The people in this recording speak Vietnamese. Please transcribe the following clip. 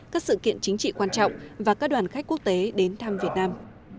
các sự kiện chính trị quan trọng và các đoàn khách quốc tế đến thăm việt nam